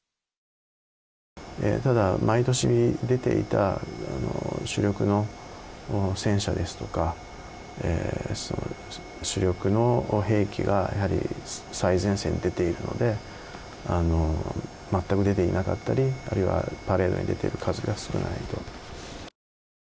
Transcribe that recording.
ただ、毎年出ていた主力の戦車ですとか主力の兵器が最前線に出ているので全く出ていなかったりあるいはパレードに出ている数が少ないと。